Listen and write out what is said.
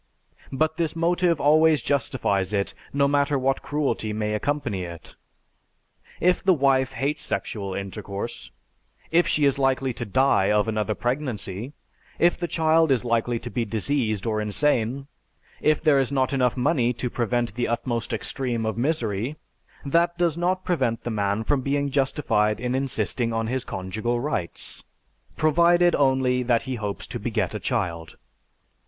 But this motive always justifies it, no matter what cruelty may accompany it. If the wife hates sexual intercourse, if she is likely to die of another pregnancy, if the child is likely to be diseased or insane, if there is not enough money to prevent the utmost extreme of misery, that does not prevent the man from being justified in insisting on his conjugal rights, provided only that he hopes to beget a child."